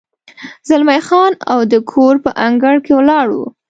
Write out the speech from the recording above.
زلمی خان او د کور په انګړ کې ولاړ و.